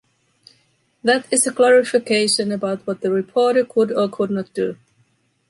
That is a clarification about what the reporter could or could not do.